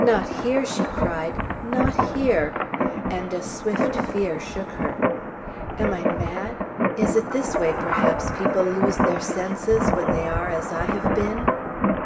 "Not here!" she cried; "not here!" and a swift fear shook her. "Am I mad? Is it this way, perhaps, people lose their senses, when they are as I have been!"